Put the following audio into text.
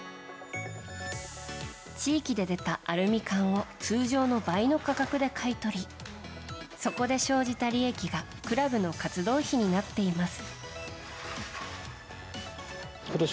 地域で出たアルミ缶を通常の倍の価格で買い取りそこで生じた利益がクラブの活動費になっています。